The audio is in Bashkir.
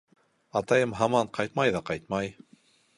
Атайым һаман ҡайтмай ҙа ҡайтмай.